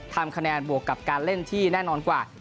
ทำคะแนนบวกกับการเล่นที่แน่นอนกว่า